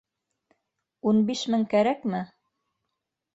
Ун биш мең кәрәкме?